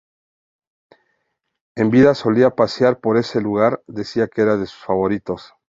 En vida solía pasear por ese lugar, decía que era de sus favoritos.